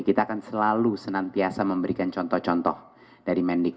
kita akan selalu senantiasa memberikan contoh contoh dari mendik